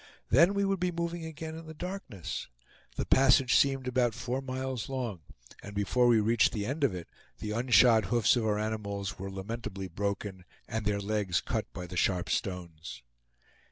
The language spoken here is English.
Then we would be moving again in the darkness. The passage seemed about four miles long, and before we reached the end of it, the unshod hoofs of our animals were lamentably broken, and their legs cut by the sharp stones.